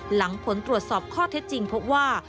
หลังผลตรวจสอบข้อเท็จจริงพบว่า